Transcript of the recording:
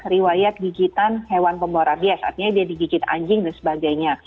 riwayat gigitan hewan pembawa rabies artinya dia digigit anjing dan sebagainya